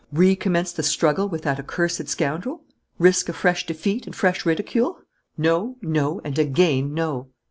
Recommence the struggle with that accursed scoundrel? Risk a fresh defeat and fresh ridicule? No, no, and again no!